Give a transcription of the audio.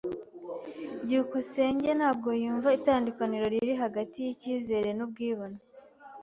byukusenge ntabwo yumva itandukaniro riri hagati yicyizere nubwibone.